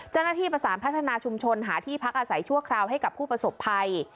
เจ้าหน้าที่ประสานพัฒนาชุมชนหาที่พักอาศัยชั่วคราวให้กับผู้ประสบภัย